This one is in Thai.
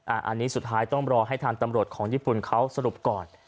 อันนี้สุดท้ายต้องรอให้ทางตำรวจของญี่ปุ่นเขาสรุปก่อน